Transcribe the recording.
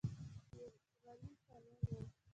د غلې قانون و.